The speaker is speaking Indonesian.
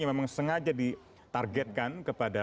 yang memang sengaja ditargetkan kepada